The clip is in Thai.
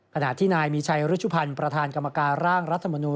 ขณะที่นายมีชัยรุชุพันธ์ประธานกรรมการร่างรัฐมนูล